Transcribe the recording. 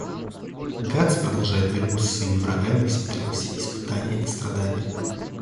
Гатс продолжает борьбу со своими врагами, несмотря на все испытания и страдания.